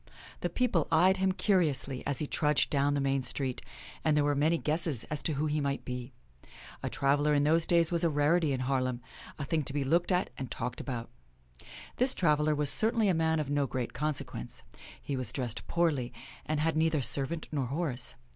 The people eyed him curiously as he trudged down the main street, and there were many guesses as to who he might be. A traveler in those days was a rarity in Haar lem — a thing to be looked at and talked about. This traveler was certainly a man of no great consequence. He was dressed poorly, and had neither servant nor horse.